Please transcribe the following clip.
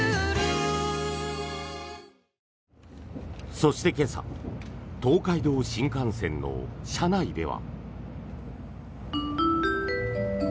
そして今朝東海道新幹線の車内では。